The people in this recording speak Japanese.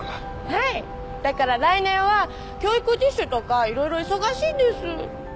だから来年は教育実習とかいろいろ忙しいんです。